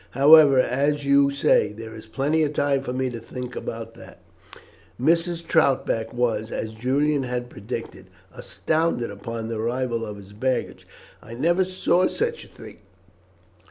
However, as you say, there is plenty of time for me to think about that." Mrs. Troutbeck was, as Julian had predicted, astounded upon the arrival of his baggage. "I never saw such a thing!"